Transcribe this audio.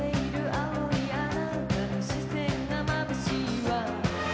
「蒼いあなたの視線がまぶしいわ」